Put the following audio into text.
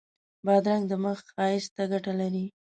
بادرنګ د مخ ښایست ته ګټه لري.